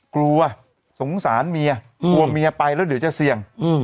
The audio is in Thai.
กลัวสงสารเมียกลัวเมียไปแล้วเดี๋ยวจะเสี่ยง